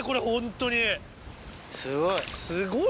すごい。